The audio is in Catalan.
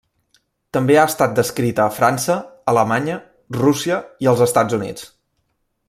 També ha estat descrita a França, Alemanya, Rússia i els Estats Units.